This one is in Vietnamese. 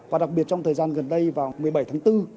và đặc biệt trong thời gian gần đây vào một mươi bảy tháng bốn